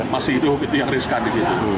masih hidup itu yang riskan di situ